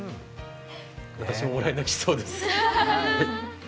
私ももらい泣きしそうです。